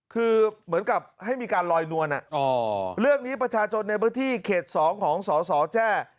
คือเหมือนกับให้มีการลอยนวลเรื่องนี้ประชาชนในพื้นที่เขต๒ของสสแจ้